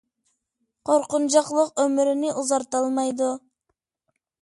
قورقۇنچاقلىق ئۆمۈرنى ئۇزارتالمايدۇ